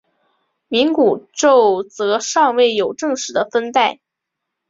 冥古宙则尚未有正式的分代。